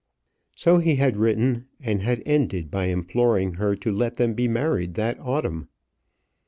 So he had written, and had ended by imploring her to let them be married that autumn.